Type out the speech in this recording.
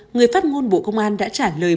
người phát ngôn bộ công an đã trả lời